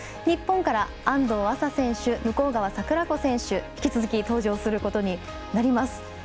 日本から安藤麻選手向川桜子選手が引き続き登場することになります。